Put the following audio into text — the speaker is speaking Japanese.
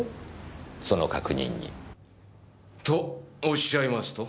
その確認に。とおっしゃいますと？